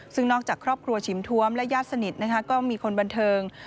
ซึ่งนอกจากครอบครัวฉิมทวมและญาติสนิทก็มีคนบันเทิง